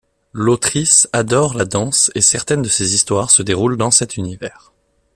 L'autrice adore la danse et certaines de ses histoires se déroulent dans cet univers.